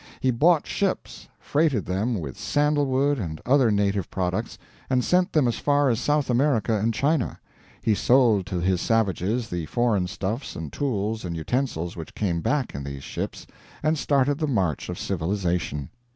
He bought ships, freighted them with sandal wood and other native products, and sent them as far as South America and China; he sold to his savages the foreign stuffs and tools and utensils which came back in these ships, and started the march of civilization.